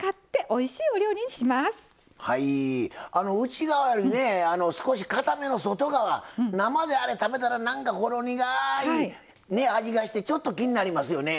内側にね少しかための外側生であれ食べたらほろ苦い味がしてちょっと気になりますよね。